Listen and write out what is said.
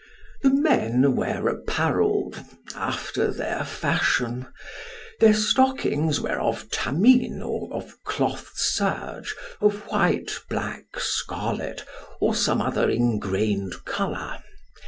The men were apparelled after their fashion. Their stockings were of tamine or of cloth serge, of white, black, scarlet, or some other ingrained colour.